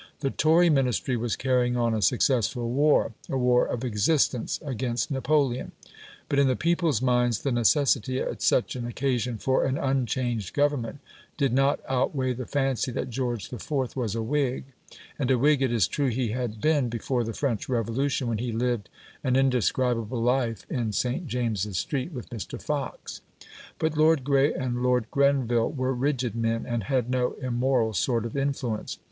The Tory Ministry was carrying on a successful war a war of existence against Napoleon; but in the people's minds, the necessity at such an occasion for an unchanged Government did not outweigh the fancy that George IV. was a Whig. And a Whig it is true he had been before the French Revolution, when he lived an indescribable life in St. James's Street with Mr. Fox. But Lord Grey and Lord Grenville were rigid men, and had no immoral sort of influence.